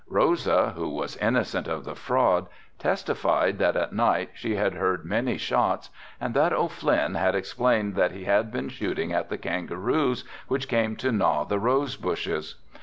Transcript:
Rosa, who was innocent of the fraud, testified that at night she had heard many shots and that O'Flynn had explained that he had been shooting at kangaroos, which came to gnaw the rose bushes.